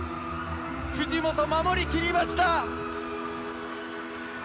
藤本、守り切りました。